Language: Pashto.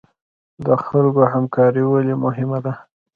د خلکو همکاري ولې مهمه ده؟